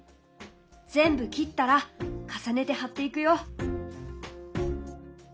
全部切ったら重ねて貼っていくよ。